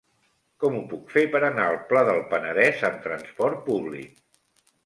Com ho puc fer per anar al Pla del Penedès amb trasport públic?